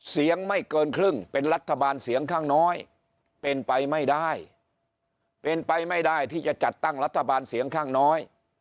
เสียงไม่เกินครึ่งเป็นรัฐบาลเสียงข้างน้อยเป็นไปไม่ได้เป็นไปไม่ได้ที่จะจัดตั้งรัฐบาลเสียงข้างน้อย